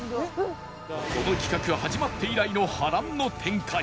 この企画が始まって以来の波乱の展開